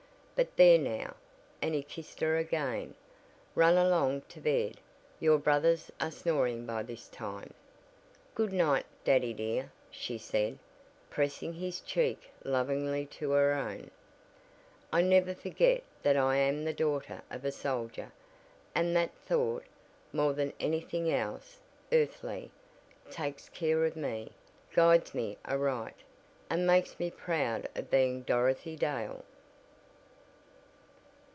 But there now," and he kissed her again, "run along to bed. Your brothers are snoring by this time." "Good night, daddy dear," she said, pressing his cheek lovingly to her own, "I never forget that I am the daughter of a soldier, and that thought, more than anything else earthly, takes care of me guides me aright, and makes me proud of being Dorothy Dale!"